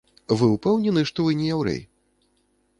Вы ўпэўнены, што вы не яўрэй?